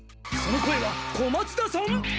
その声は小松田さん！？